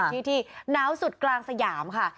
ที่ที่หนาวสุดกลางสยามค่ะ